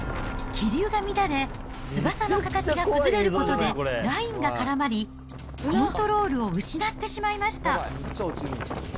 気流が乱れ、翼の形が崩れることで、ラインが絡まり、コントロールを失ってしまいました。